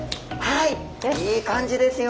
いい感じですよ。